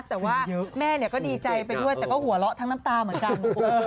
แต่ว่าแม่ก็ดีใจไปด้วยแต่ก็หัวเราะทั้งน้ำตาเหมือนกัน